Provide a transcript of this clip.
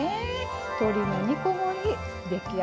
鶏の煮こごり出来上がりです。